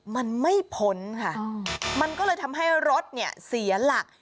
มันไม่พ้นค่ะมันก็เลยทำให้รถเนี่ยเสียหลัก